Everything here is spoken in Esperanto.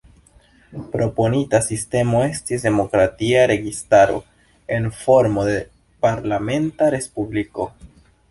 Proponita sistemo estis demokratia registaro en formo de parlamenta respubliko.